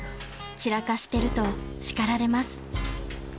散らかしてると叱られます］